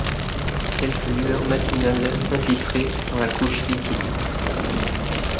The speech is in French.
Quelques lueurs matinales s’infiltraient dans la couche liquide.